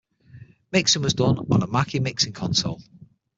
Mixing was done on a Mackie mixing console.